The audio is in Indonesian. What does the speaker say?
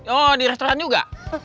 oh di restoran juga